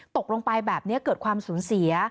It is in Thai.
ตกลงไปแบบนี้เกิดความสูญเสีย